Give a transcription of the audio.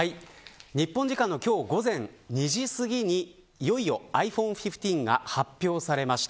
日本時間の今日午前２時すぎにいよいよｉＰｈｏｎｅ１５が発表されました。